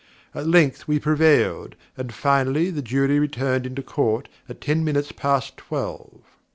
At length we prevailed, and finally the Jury returned into Court at ten minutes past twelve.